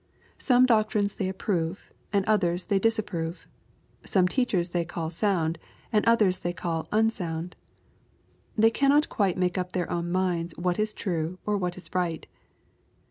Some doc trines they approve, and d?Eers they disapprove. Some teachers they call ^' sound," and others they call " un sound." They cannot quite make up their own minds what is true, or what is right.